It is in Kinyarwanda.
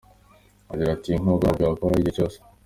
Agira ati “Iyi nkunga ntabwo yahoraho igihe cyose.